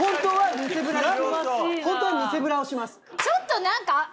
ちょっと何か。